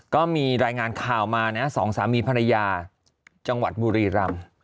ก็มีรายงานข่าวมานะสองสามีภรรยาจังหวัดบุรีรำ